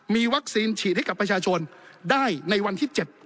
มีวัคซีนฉีดให้กับประชาชนได้ในวันที่๗